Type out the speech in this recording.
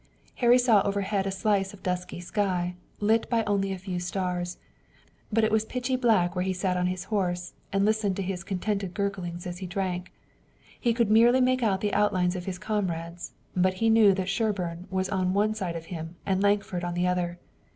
Harry saw overhead a slice of dusky sky, lit by only a few stars, but it was pitchy black where he sat on his horse, and listened to his contented gurglings as he drank. He could merely make out the outlines of his comrades, but he knew that Sherburne was on one side of him and Lankford on the other.